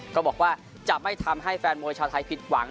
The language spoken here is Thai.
ก็บอกว่าจะไม่ทำให้แฟนมวยชาวไทยผิดหวัง